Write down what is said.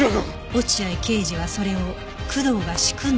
落合刑事はそれを工藤が仕組んだと推理した